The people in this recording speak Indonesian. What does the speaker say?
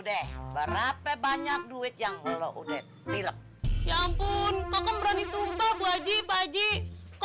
deh berapa banyak duit yang lo udah tilep ya ampun kok kembali sumpah bu haji pak